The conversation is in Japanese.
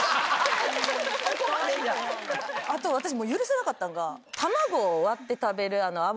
あと私許せなかったのが卵を割って食べる。